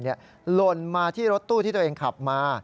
หล่นมาที่รถตู้ที่ตัวเองขับมา